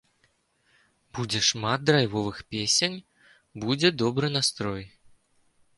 Будзе шмат драйвовых песень, будзе добры настрой!